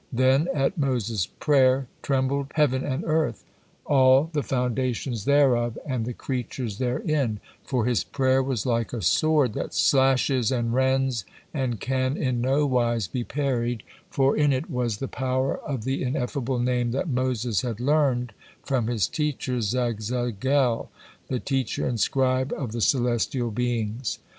Then, at Moses' prayer, trembled heaven and earth, all the foundations thereof and the creatures therein, for his prayer was like a sword that slashed and rends, and can in no wise be parried, for in it was the power of the Ineffable Name that Moses had learned from his teacher Zagzagel, the teacher and scribe of the celestial beings.